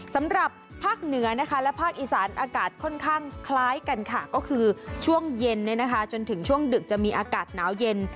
สำหรับภาคเหนือนะคะและภาคอีสานอากาศค่อนข้างคล้ายกันค่ะก็คือช่วงเย็นจนถึงช่วงดึกจะมีอากาศหนาวเย็น